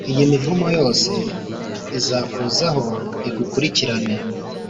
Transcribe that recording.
iyi mivumo yose+ izakuzaho, igukurikirane